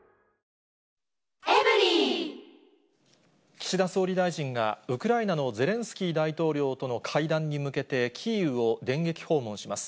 岸田総理大臣が、ウクライナのゼレンスキー大統領との会談に向けてキーウを電撃訪問します。